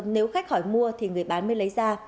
nếu khách hỏi mua thì người bán mới lấy ra